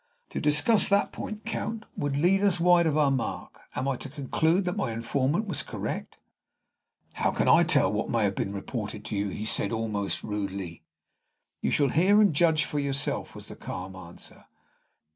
"To discuss that point, Count, would lead us wide of our mark. Am I to conclude that my informant was correct?" "How can I tell what may have been reported to you?" said he, almost rudely. "You shall hear and judge for yourself," was the calm answer.